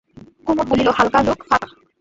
কুমুদ বলিল, হালকা লোক, ফাঁপা।